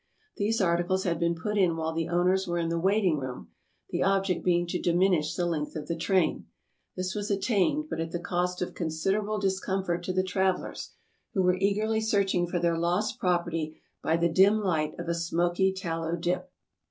These articles had been put in while the owners were in the waiting rooms, the object being to diminish the length of the train. This was attained, but at the cost of considerable discomfort to the travelers, who were eagerly searching for their lost property by the dim light of a smoky tallow dip.